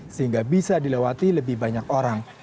sehingga bisa dilewati lebih banyak orang